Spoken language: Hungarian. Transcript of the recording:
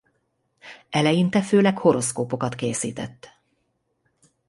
Eleinte főleg horoszkópokat készített.